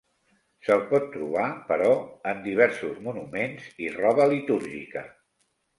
Se'l pot trobar, però, en diversos monuments i roba litúrgica.